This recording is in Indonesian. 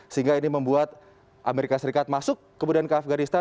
sehingga ini membuat amerika serikat masuk kemudian ke afganistan